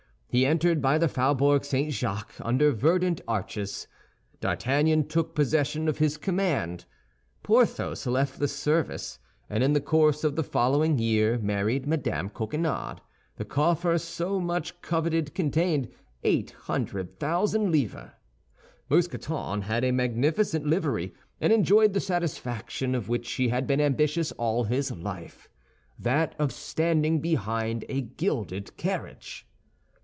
He entered by the Faubourg St. Jacques, under verdant arches. D'Artagnan took possession of his command. Porthos left the service, and in the course of the following year married Mme. Coquenard; the coffer so much coveted contained eight hundred thousand livres. Mousqueton had a magnificent livery, and enjoyed the satisfaction of which he had been ambitious all his life—that of standing behind a gilded carriage.